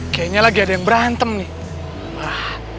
kayaknya lagi ada yang berantem nih wah